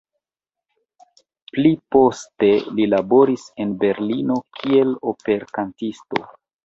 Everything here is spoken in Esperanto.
Pli poste li laboris en Berlino kiel operkantisto.